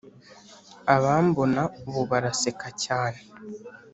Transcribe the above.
Abambona ubu baraseka cyane